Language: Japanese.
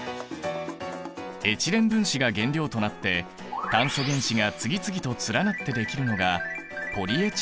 エチレン分子が原料となって炭素原子が次々と連なってできるのがポリエチレンだ。